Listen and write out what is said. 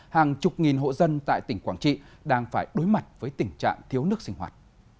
hàng chục nghìn hộ dân tại tỉnh quảng trị đang phải đối mặt với tình trạng thiếu nước sinh hoạt